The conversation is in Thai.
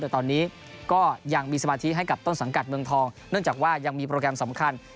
แต่ตอนนี้ก็ยังมีสมาธิให้กับต้นสังกัดเมืองทองเนื่องจากว่ายังมีโปรแกรมสำคัญ